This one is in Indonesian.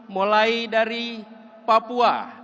mulai dari papua